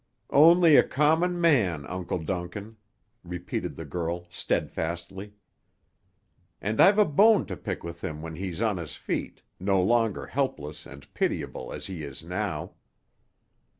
"Only a common man, Uncle Duncan," repeated the girl steadfastly, "and I've a bone to pick with him when he's on his feet, no longer helpless and pitiable as he is now."